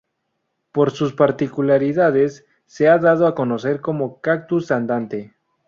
Por sus particularidades, se ha dado a conocer como "cactus andante".